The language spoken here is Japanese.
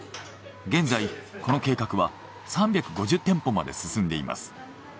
現在この計画は３５０店舗まで進んでいます。